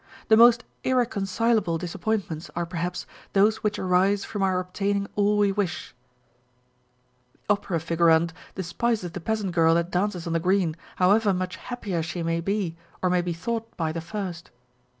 The most irreconcilable disap pointments are perhaps, those which arise from our obtaining all we wish. The opera figurante despises the peasant girl that lances on the green, however much happier she may be or may be thought by the first.